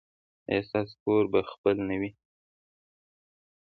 ایا ستاسو کور به خپل نه وي؟